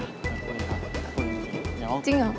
อยากคุยครับ